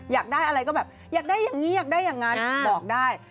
อยากได้อะไรก็แบบอยากได้อย่างนี้อยากได้อย่างนั้นบอกได้